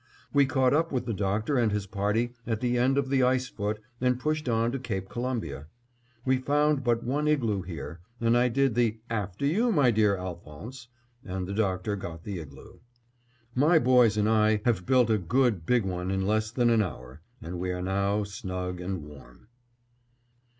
We caught up with the Doctor and his party at the end of the ice foot and pushed on to Cape Columbia. We found but one igloo here and I did the "after you my dear Alphonse," and the Doctor got the igloo. My boys and I have built a good big one in less than an hour, and we are now snug and warm.